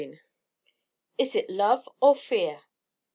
IS IT LOVE OR FEAR?